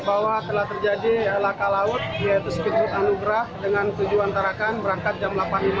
bahwa telah terjadi laka laut yaitu speedboat anugrah dengan tujuan tarakan berangkat jam delapan lima belas